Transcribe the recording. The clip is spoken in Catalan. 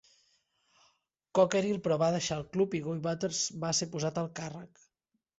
Cockerill però va deixar el Club i Guy Butters va ser posat a càrrec.